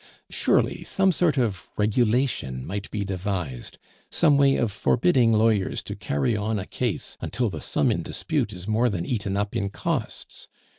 Surely some sort of regulation might be devised, some way of forbidding lawyers to carry on a case until the sum in dispute is more than eaten up in costs?